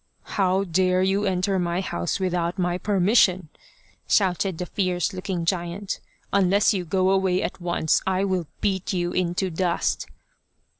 " How dare you enter my house without my per mission ?" shouted the fierce looking giant. " Unless you go away at once I will beat you into dust."